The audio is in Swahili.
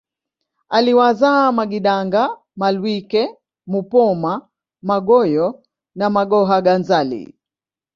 aliwazaa magidanga Mhalwike Mupoma Magoyo na Magohaganzali